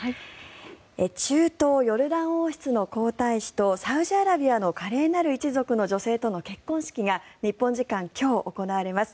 中東ヨルダン王室の皇太子とサウジアラビアの華麗なる一族の女性との結婚式が日本時間今日、行われます。